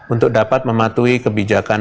untuk dapat mematuhi kebijakan